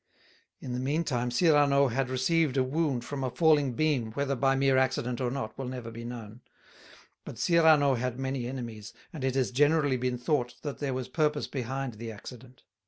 In the meantime Cyrano had received a wound from a falling beam whether by mere accident or not, will never be known; but Cyrano had many enemies, and it has generally been thought that there was purpose behind the accident.